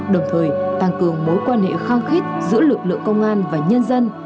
đồng thời tăng cường mối quan hệ khao khát giữa lực lượng công an và nhân dân